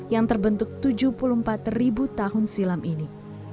yang terbentuk tujuh puluh empat ribu tahun silam ini